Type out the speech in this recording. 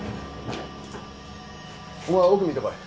お前は奥見てこい。